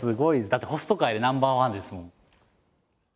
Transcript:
だってホスト界でナンバーワンですもん。